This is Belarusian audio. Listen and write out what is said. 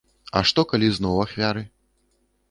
А што, калі зноў ахвяры?